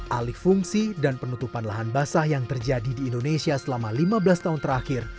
alih fungsi dan penutupan lahan basah yang terjadi di indonesia selama lima belas tahun terakhir